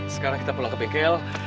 sekarang kita pulang ke bengkel